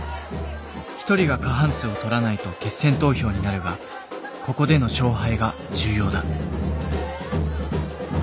１人が過半数をとらないと決選投票になるがここでの勝敗が重要だ。